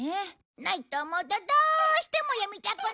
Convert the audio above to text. ないと思うとどうしても読みたくなる！